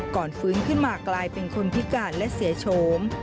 ฟื้นขึ้นมากลายเป็นคนพิการและเสียโฉม